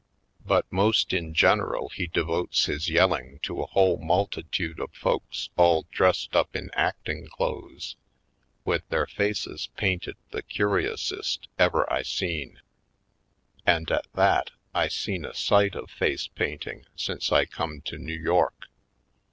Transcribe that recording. But most in general he devotes his yelling to a whole multitude of folks all dressed up in acting clothes with their faces painted the curiousest ever I seen. And, at that, I seen a sight of face painting since I come to New York!